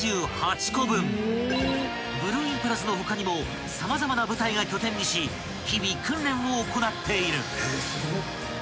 ［ブルーインパルスの他にも様々な部隊が拠点にし日々訓練を行っている］